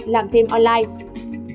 làm thêm online